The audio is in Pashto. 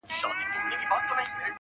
ګیدړ هم له خوشالیه کړې نڅاوي -